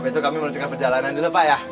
apa itu kami meluncurkan perjalanan dulu pak ya